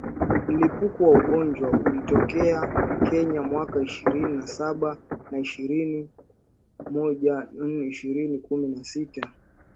Mlipuko wa ugonjwa ulitokea Kenya mwaka ishirini na saba na ishirini mojatanohadi ishirini kumi na sita